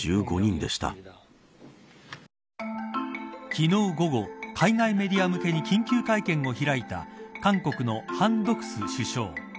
昨日午後、海外メディア向けに緊急会見を開いた韓国のハン・ドクス首相。